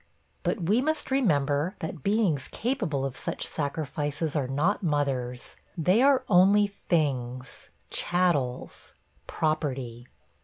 But we must remember that beings capable of such sacrifices are not mothers; they are only 'things,' 'chattels,' 'property.'